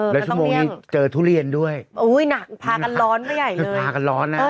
แล้วชั่วโมงนี้เจอทุเรียนด้วยโอ้ยหนักพากันร้อนไปใหญ่เลยพากันร้อนนะ